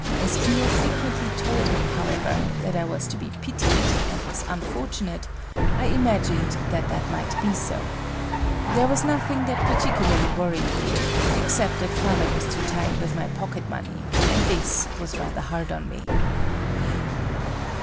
As Kiyo frequently told me, however, that I was to be pitied, and was unfortunate, I imagined that that might be so. There was nothing that particularly worried me except that father was too tight with my pocket money, and this was rather hard on me.